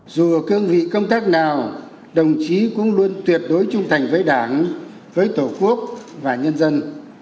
dù ở cương vị công tác nào đồng chí cũng luôn tuyệt đối trung thành với đảng với tổ quốc và nhân dân